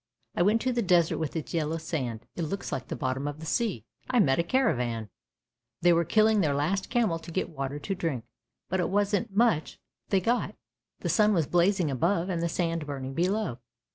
I went to the desert with its yellow sand. It looks like the bottom of the sea. I met a caravan ! They were killing their last camel to get water to drink, but it wasn't much they got. The sun was blazing above, and the sand burning below.